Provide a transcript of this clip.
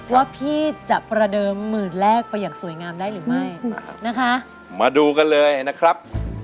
ว่าพี่จะประเดิมหมื่นแรกไปอย่างสวยงามได้หรือไม่นะคะมาดูกันเลยนะครับ